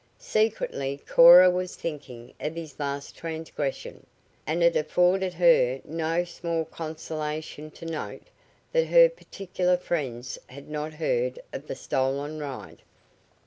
Secretly Cora was thinking of his last transgression, and it afforded her no small consolation to note that her particular friends had not heard of the stolen ride.